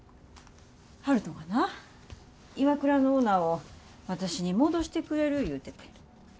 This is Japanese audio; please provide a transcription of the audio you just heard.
悠人がなＩＷＡＫＵＲＡのオーナーを私に戻してくれる言うてて。